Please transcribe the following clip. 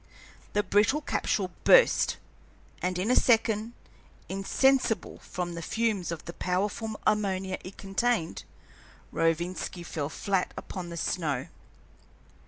The brittle capsule burst, and in a second, insensible from the fumes of the powerful ammonia it contained, Rovinski fell flat upon the snow.